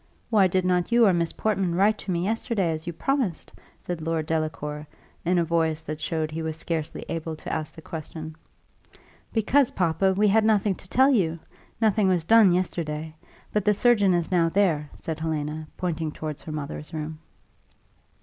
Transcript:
"Why did not you or Miss Portman write to me yesterday, as you promised?" said Lord Delacour, in a voice that showed he was scarcely able to ask the question. "Because, papa, we had nothing to tell you: nothing was done yesterday. But the surgeon is now there," said Helena, pointing towards her mother's room.